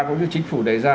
cũng như chính phủ này ra